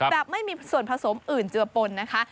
แบบไม่มีส่วนผสมอื่นเจือปนนะคะ